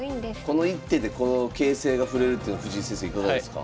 この一手でこの形勢が振れるっていうのは藤井先生いかがですか？